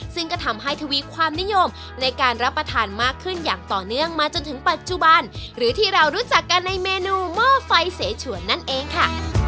ซึ่งก็ทำให้ทวีความนิยมในการรับประทานมากขึ้นอย่างต่อเนื่องมาจนถึงปัจจุบันหรือที่เรารู้จักกันในเมนูหม้อไฟเสฉวนนั่นเองค่ะ